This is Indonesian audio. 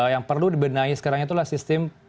yang perlu dibenahi sekarang itulah sistem